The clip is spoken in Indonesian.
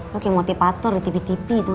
lo kayak motivator di tipee tipee tuh